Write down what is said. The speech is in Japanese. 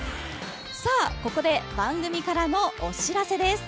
ここで番組からのお知らせです。